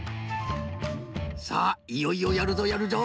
さあいよいよやるぞやるぞ！